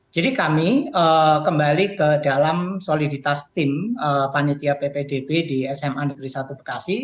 jadi kami kembali ke dalam soliditas tim panitia ppdb di sma negeri satu bekasi